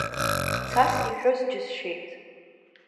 Цас иҳәоз џьысшьеит.